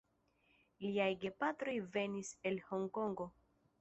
Liaj gepatroj venis el Honkongo.